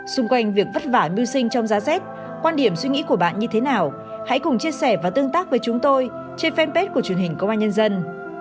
xung quanh việc vất vả mưu sinh trong giá rét quan điểm suy nghĩ của bạn như thế nào hãy cùng chia sẻ và tương tác với chúng tôi trên fanpage của truyền hình công an nhân dân